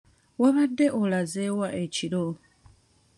Wabadde olaze wa ekiro?